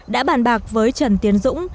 đã bàn bạc với trần tiến dũng